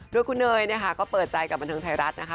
ด้วยคุณเนยก็เปิดใจกับบรรเทิงไทยรัฐนะ